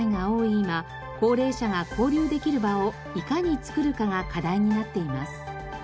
今高齢者が交流できる場をいかに作るかが課題になっています。